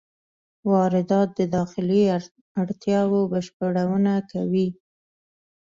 واردات د داخلي اړتیاوو بشپړونه کوي.